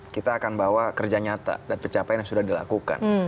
kita akan bawa kerja nyata dan pencapaian yang sudah dilakukan